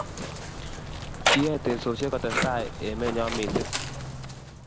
Kiyoe teksosiek kotestai emenyo mising